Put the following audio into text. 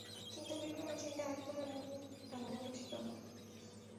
কিন্তু বিক্রমের চিন্তা একদমই এমন ছিল না।